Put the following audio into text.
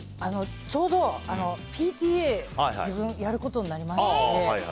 ちょうど、ＰＴＡ自分がやることになりまして。